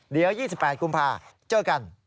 เดี๋ยว๒๘กุมภาคมเจอกัน